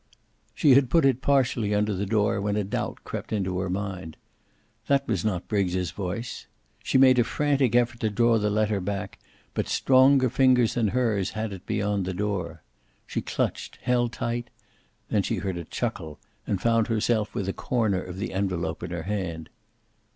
She had put it partially under the door when a doubt crept into her mind. That was not Briggs's voice. She made a frantic effort to draw the letter back, but stronger fingers than hers had it beyond the door. She clutched, held tight. Then she heard a chuckle, and found herself with a corner of the envelope in her hand.